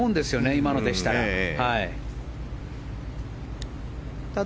今のでしたら。